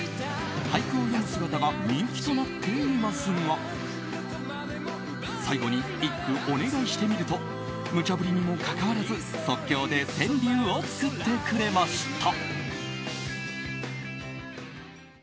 俳句を詠む姿が人気となっていますが最後に１句、お願いしてみるとむちゃ振りにもかかわらず即興で川柳を作ってくれました。